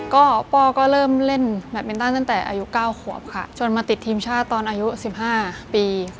ก็ป้อก็เริ่มเล่นแบตมินตันตั้งแต่อายุ๙ขวบค่ะจนมาติดทีมชาติตอนอายุ๑๕ปี